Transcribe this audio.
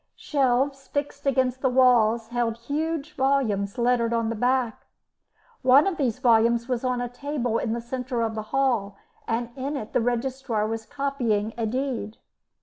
Shelves fixed against the walls held huge volumes lettered on the back. One of these volumes was on a table in the centre of the hall, and in it the registrar was copying a deed.